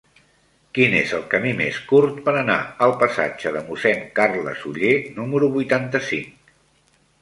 Quin és el camí més curt per anar al passatge de Mossèn Carles Oller número vuitanta-cinc?